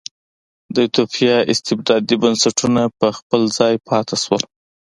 د ایتوپیا استبدادي بنسټونه په خپل ځای پاتې شول.